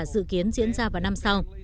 dự kiến diễn ra vào năm sau